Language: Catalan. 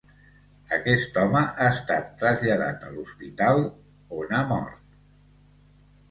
Aquest home ha estat traslladat a l’hospital on ha mort.